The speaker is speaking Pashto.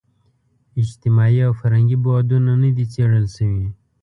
اجتماعي او فرهنګي بعدونه نه دي څېړل شوي.